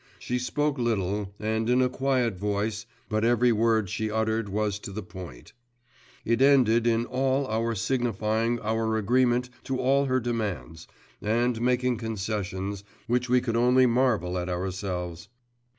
She spoke little, and in a quiet voice, but every word she uttered was to the point. It ended in our all signifying our agreement to all her demands, and making concessions, which we could only marvel at ourselves.